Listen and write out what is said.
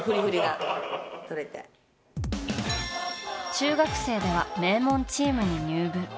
中学生では名門チームに入部。